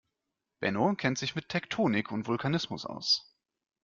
Benno kennt sich mit Tektonik und Vulkanismus aus.